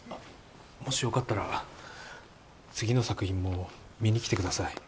もしよかったら次の作品も見に来てください